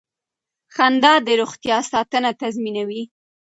خندا د روغتیا ساتنه تضمینوي.